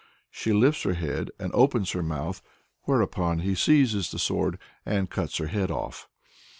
She lifts her head and opens her mouth, whereupon he seizes the sword and cuts her head off.